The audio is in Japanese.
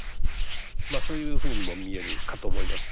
まあそういうふうにも見えるかと思います。